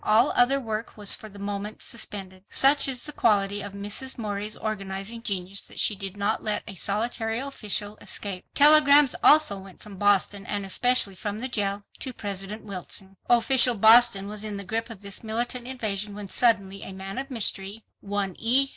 All other work was for the moment suspended. Such is the quality of Mrs. Morey's organizing genius that she did not let a solitary official escape. Telegrams also went from Boston, and especially from the jail, to President Wilson. Official Boston was in the grip of this militant invasion when suddenly a man of mystery, one E.